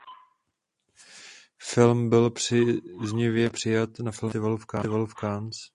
Film byl příznivě přijat na Filmovém festivalu v Cannes.